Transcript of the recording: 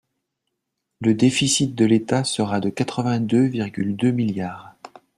Le déficit de l’État sera de quatre-vingt-deux virgule deux milliards.